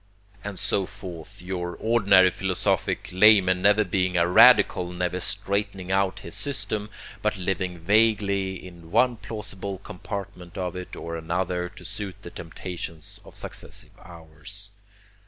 And so forth your ordinary philosophic layman never being a radical, never straightening out his system, but living vaguely in one plausible compartment of it or another to suit the temptations of successive hours.